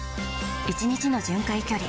１日の巡回距離